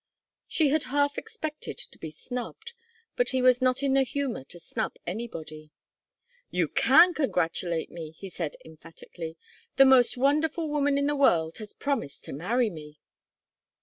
She had half expected to be snubbed, but he was not in the humor to snub anybody. "You can congratulate me!" he said, emphatically. "The most wonderful woman in the world has promised to marry me."